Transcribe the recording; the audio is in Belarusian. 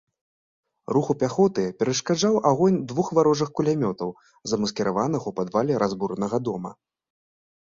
Руху пяхоты перашкаджаў агонь двух варожых кулямётаў, замаскіраваных у падвале разбуранага дома.